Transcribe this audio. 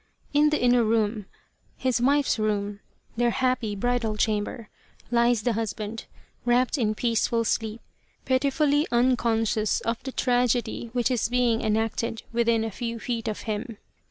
In the inner room his wife's room, their happy bridal chamber lies the husband, wrapt in peaceful sleep, pitifully unconscious of the tragedy which is being enacted within a few feet of him.